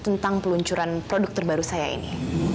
tentang peluncuran produk terbaru saya ini